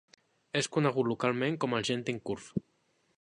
És conegut localment com el "Genting Curve".